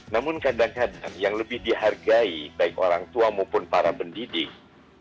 namun kadang kadang yang lebih dihargai baik orang tua maupun para pendidik itu lebih pada prestasi akademik